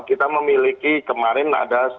kita memiliki kemarin ada